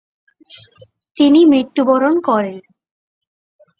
তিনি মৃত্যুবরণ করেন।